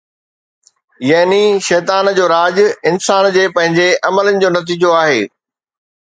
يعني شيطان جو راڄ انسان جي پنهنجي عملن جو نتيجو آهي